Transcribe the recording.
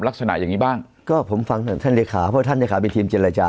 ลักษณะอย่างนี้บ้างก็ผมฟังจากท่านเลขาเพราะท่านเลขาเป็นทีมเจรจา